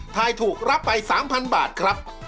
ถ่ายถูกรับไป๓๐๐๐บาทครับ